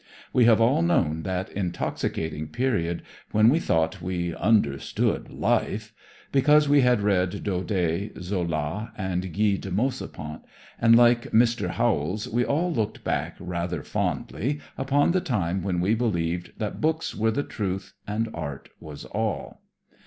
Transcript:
We have all known that intoxicating period when we thought we "understood life," because we had read Daudet, Zola and Guy de Maupassant, and like Mr. Howells we all looked back rather fondly upon the time when we believed that books were the truth and art was all.